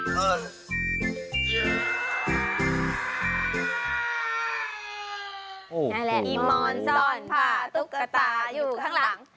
นี่แหละอีมอนซ่อนผ้าตุ๊กตาอยู่ข้างหลัง